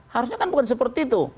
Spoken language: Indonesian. harusnya kan bukan seperti itu